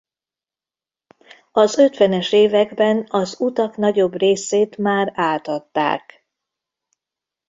Az ötvenes években az utak nagyobb részét már átadták.